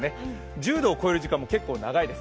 １０度を超える時間も結構長いです。